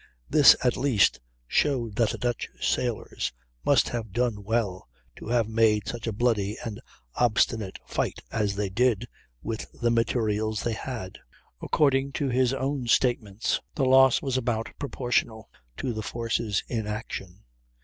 This at least showed that the Dutch sailors must have done well to have made such a bloody and obstinate fight as they did, with the materials they had. According to his own statements the loss was about proportional to the forces in action.